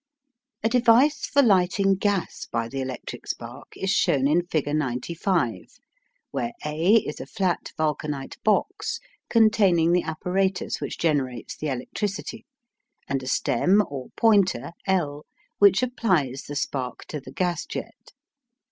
A device for lighting gas by the electric spark is shown in figure 95, where A is a flat vulcanite box, containing the apparatus which generates the electricity, and a stem or pointer L, which applies the spark to the gas jet.